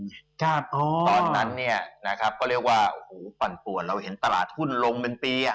ตอนนั้นเนี่ยนะครับก็เรียกว่าโอ้โหปั่นป่วนเราเห็นตลาดหุ้นลงเป็นปีอ่ะ